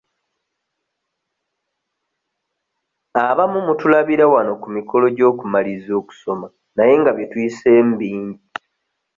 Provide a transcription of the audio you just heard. Abamu mutulabira wano ku mikolo gy'okumaliriza okusoma naye nga bye tuyiseemu bingi.